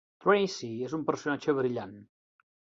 Tracy és un personatge brillant.